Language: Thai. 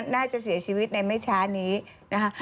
น่าจะเสียชีวิตในไม่ช้านี้นะคะ